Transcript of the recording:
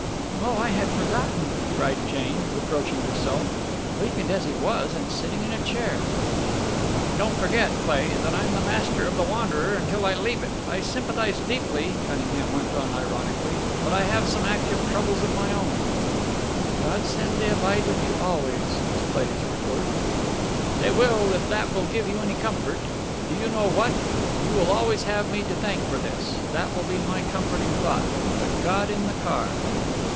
"Oh, I had forgotten!" cried Jane, reproaching herself. Weakened as he was, and sitting in a chair! "And don't forget, Cleigh, that I'm master of the Wanderer until I leave it. I sympathize deeply," Cunningham went on, ironically, "but I have some active troubles of my own." "And God send they abide with you always!" was Cleigh's retort. "They will if that will give you any comfort. Do you know what? You will always have me to thank for this. That will be my comforting thought. The god in the car!"